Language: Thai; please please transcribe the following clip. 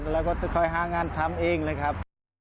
เราก็คอยห้างานทำเองเลยครับ